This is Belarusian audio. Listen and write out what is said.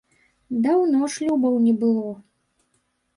Даўно шлюбаў не было.